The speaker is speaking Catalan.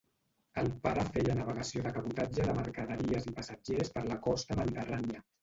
El pare feia navegació de cabotatge de mercaderies i passatgers per la costa mediterrània.